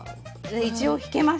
一応引けました。